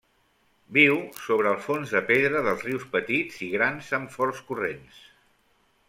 Viu sobre els fons de pedra dels rius petits i grans amb forts corrents.